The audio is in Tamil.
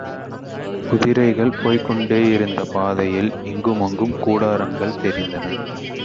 குதிரைகள் போய்க் கொண்டேயிருந்த பாதையில் இங்குமங்கும் கூடாரங்கன் தெரிந்தன.